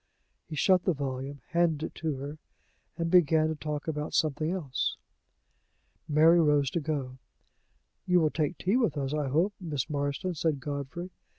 He shut the volume, handed it to her, and began to talk about something else. Mary rose to go. "You will take tea with us, I hope, Miss Marston," said Godfrey.